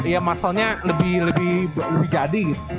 iya musclenya lebih jadi gitu